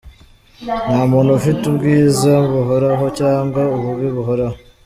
Nta muntu ufite ubwiza buhoraho cyangwa ububi buhoraho.